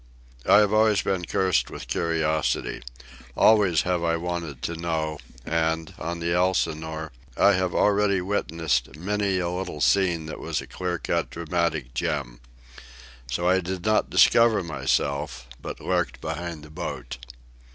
I have always been cursed with curiosity. Always have I wanted to know; and, on the Elsinore, I have already witnessed many a little scene that was a clean cut dramatic gem. So I did not discover myself, but lurked behind the boat.